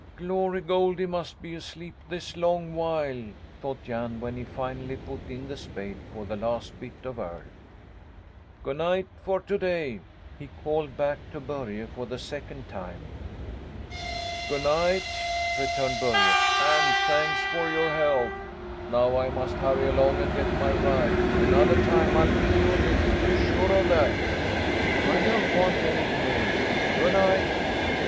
"Glory Goldie must be asleep this long while," thought Jan, when he finally put in the spade for the last bit of earth. "Go' night for to day," he called back to Börje for the second time. "Go' night," returned Börje, "and thanks to you for the help. Now I must hurry along and get my rye. Another time I'll give you a lift, be sure of that!" "I don't want any pay ... Go' night!"